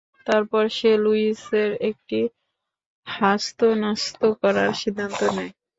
তারপর সে লুইসের একটা হ্যাস্তন্যাস্ত করার সিদ্ধান্ত নেয়।